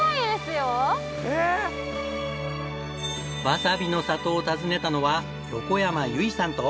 わさびの里を訪ねたのは横山由依さんと。